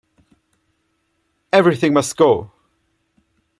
Everything Must Go!!!